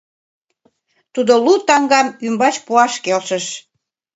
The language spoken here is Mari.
Тудо лу таҥгам ӱмбач пуаш келшыш.